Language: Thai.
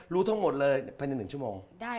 รู้ทั้งหมดเลยไปในหนึ่งชั่วโมง